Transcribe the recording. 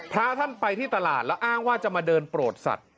พระท่านไปที่ตลาดแล้วอ้างว่าจะมาเดินโปรดสัตว